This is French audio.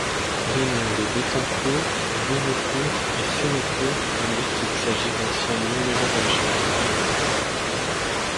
Les noms de Béthencourt, Louveaucourt et Sénécourt indiquent qu'il s'agit d'anciens lieux mérovingiens.